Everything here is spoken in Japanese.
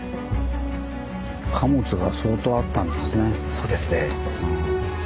そうですね。